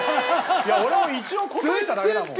いや俺も一応答えただけだもん。